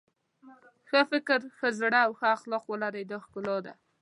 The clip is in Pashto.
ښه فکر ښه زړه او ښه اخلاق ولرئ دا ښکلا ده.